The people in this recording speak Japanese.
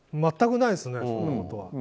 全くないですね。